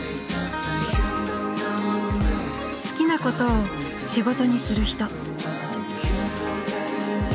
好きなことを仕事にする人。